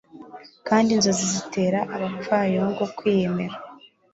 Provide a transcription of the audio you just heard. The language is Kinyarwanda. kandi inzozi zitera abapfayongo kwiyemera